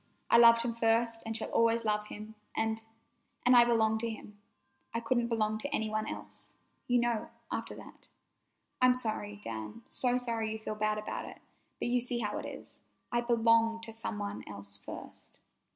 I loved him first and shall always love him, and—and—I belong to him. I couldn't belong to any one else, you know, after that. I'm sorry, Dan, so sorry you feel bad about it, but you see how it is. I belonged to some one else first."